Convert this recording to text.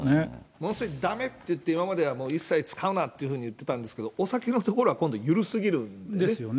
ものすごいだめって言って、今まではもう一切使うなっていうふうにいってたんですけど、お酒のところは今度緩すぎるんですよね。